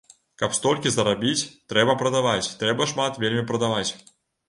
Каб столькі зарабіць трэба прадаваць, трэба шмат вельмі прадаваць.